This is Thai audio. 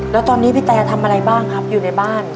แล้วตอนนี้พี่แตทำอะไรบ้างครับอยู่ในบ้าน